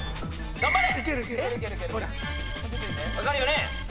頑張れ！